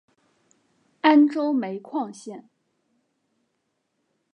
安州煤矿线